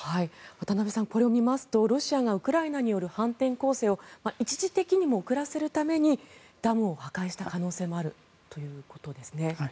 渡部さんこれを見ますとロシアがウクライナによる反転攻勢を一時的にも遅らせるためにダムを破壊した可能性があるということですね。